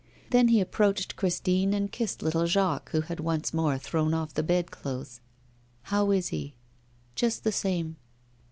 Then he approached Christine, and kissed little Jacques, who had once more thrown off the bedclothes. 'How is he?' 'Just the same.